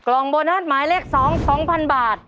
กล่องโบนัสหมายเลข๒๒๐๐๐บาท